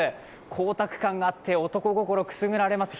光沢感があって、男心くすぐられます。